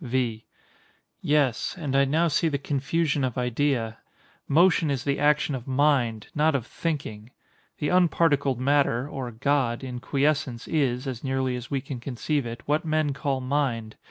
V. Yes; and I now see the confusion of idea. Motion is the action of mind, not of thinking. The unparticled matter, or God, in quiescence, is (as nearly as we can conceive it) what men call mind.